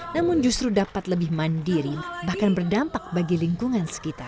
namun justru dapat lebih mandiri bahkan berdampak bagi lingkungan sekitar